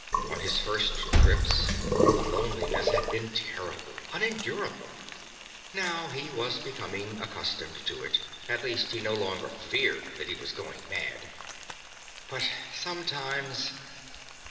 On his first trips, the loneliness had been terrible, unendurable. Now he was becoming accustomed to it. At least, he no longer feared that he was going mad. But sometimes....